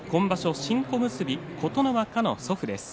新小結琴ノ若の祖父です。